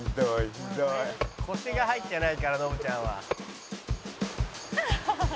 「腰が入ってないからノブちゃんは」